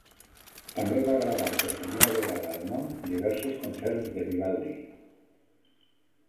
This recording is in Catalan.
També va gravar per primera vegada al món diversos concerts de Vivaldi.